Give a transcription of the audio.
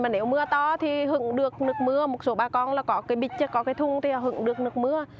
nếu mưa to thì hưởng được nước mưa một số bà con có cái bịch có cái thung thì hưởng được nước mưa